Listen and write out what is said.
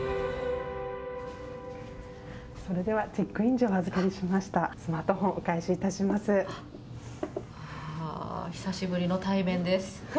それでは、チェックイン時お預かりしましたスマートフォン、お返しいたしまあー、久しぶりの対面です。